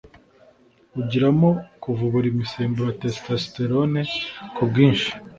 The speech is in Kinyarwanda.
ugiramo kuvubura imisemburo ya testosterone ku bwinshi.